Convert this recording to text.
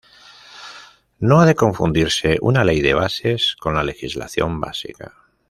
No ha de confundirse una ley de bases con la legislación básica.